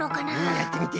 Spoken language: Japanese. やってみて。